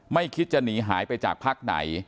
คิดจะหนีหายไปจากพักไหน